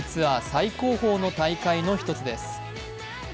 最高峰の大会の１つです。